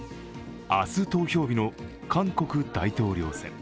明日投票日の韓国大統領選。